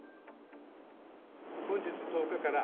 本日１０日から、